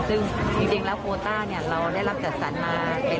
ซึ่งจริงแล้วโคต้าเราได้รับจัดสรรมา